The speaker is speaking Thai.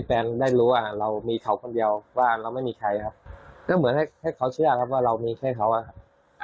เพราะว่ามันไม่ได้อายอยู่นะครับ